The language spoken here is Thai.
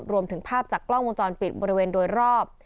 ภาพจากกล้องวงจรปิดบริเวณโดยรอบ